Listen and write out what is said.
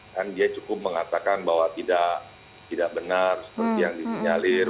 kan dia cukup mengatakan bahwa tidak benar seperti yang disinyalir